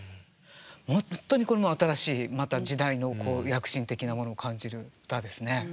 本当にこれも新しいまた時代の躍進的なものを感じる歌ですね。